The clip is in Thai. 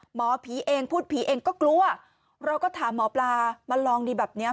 หมอผีเองพูดผีเองก็กลัวเราก็ถามหมอปลามาลองดีแบบเนี้ย